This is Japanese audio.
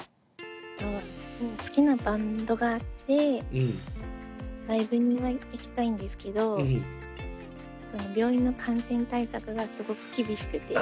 好きなバンドがあってライブには行きたいんですけど病院の感染対策がすごく厳しくて。